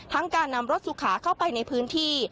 การนำรถสุขาเข้าไปในพื้นที่